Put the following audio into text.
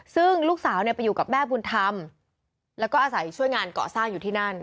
ซึ่งลูกสาวไปอยู่กับแม่บุญธรรมแล้วก็อาศัยช่วยงานเกาะสร้างอยู่ที่นั่น